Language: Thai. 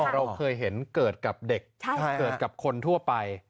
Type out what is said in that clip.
เราเคยเห็นเกิดกับเด็กเกิดกับคนทั่วไป